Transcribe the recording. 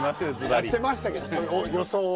やってましたけどそういう予想を。